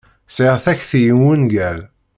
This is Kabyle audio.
Sɛiɣ takti i wungal.